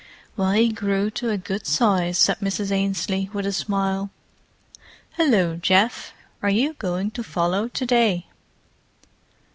"Well, he grew to a good size," said Mrs. Ainslie, with a smile. "Hullo, Geoff. Are you going to follow to day?"